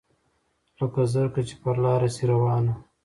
لکه زرکه چي پر لاره سي روانه